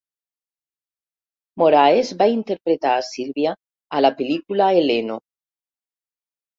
Moraes va interpretar a Silvia a la pel·lícula "Heleno".